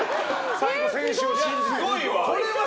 最後は選手を信じて。